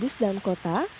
bus dalam kota